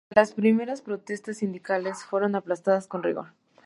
Las primeras protestas sindicales fueron aplastadas con rigor.